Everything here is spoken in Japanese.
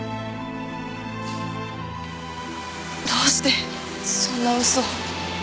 どうしてそんな嘘を？